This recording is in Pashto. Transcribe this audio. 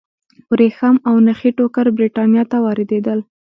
ورېښم او نخي ټوکر برېټانیا ته واردېدل.